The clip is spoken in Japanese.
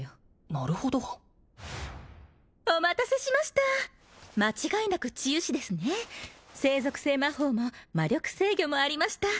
なるほどお待たせしました間違いなく治癒士ですね聖属性魔法も魔力制御もありました